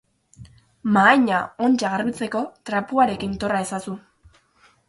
Mahaina ontsa garbitzeko trapuarekin torra ezazu.